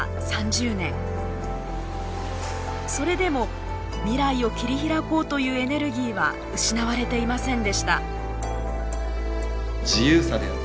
それでも未来を切り開こうというエネルギーは失われていませんでした。